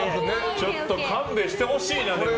ちょっと勘弁してほしいな。